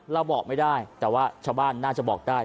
เราบอกไม่ได้แต่ว่าชาวบ้านน่าจะบอกได้